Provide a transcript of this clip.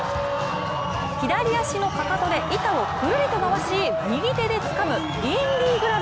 左足のかかとで板をくるりと回し右手でつかむインディグラブ。